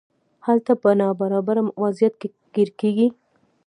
هلته په نابرابر وضعیت کې ګیر کیږي.